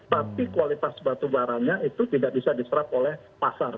tapi kualitas batu baranya itu tidak bisa diserap oleh pasar